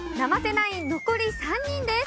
ナイン残り３人です。